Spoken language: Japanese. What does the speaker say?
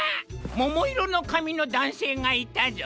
ももいろのかみのだんせいがいたぞ！